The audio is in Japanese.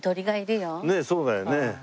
ねえそうだよね。